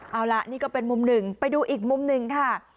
เอาล่ะนี่ก็เป็นมุมหนึ่งไปดูอีกมุมหนึ่งค่ะ